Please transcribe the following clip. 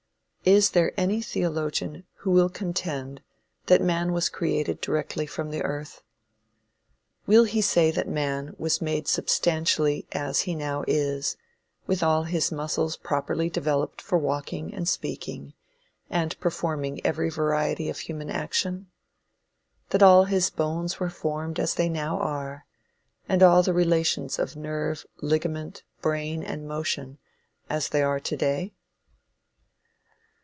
Is there any theologian who will contend that man was created directly from the earth? Will he say that man was made substantially as he now is, with all his muscles properly developed for walking and speaking, and performing every variety of human action? That all his bones were formed as they now are, and all the relations of nerve, ligament, brain and motion as they are to day?